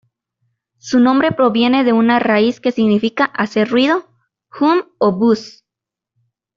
Su nombre proviene de una raíz que significa "hacer ruido, hum o buzz".